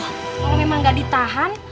kalau memang gak ditahan